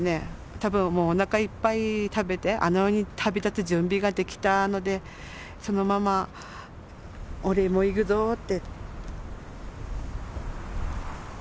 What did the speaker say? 多分もうおなかいっぱい食べてあの世に旅立つ準備ができたのでそのまま俺も逝くぞって。